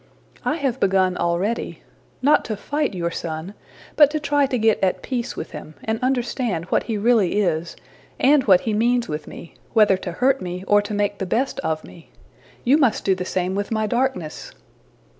I have begun already not to fight your sun, but to try to get at peace with him, and understand what he really is, and what he means with me whether to hurt me or to make the best of me. You must do the same with my darkness.''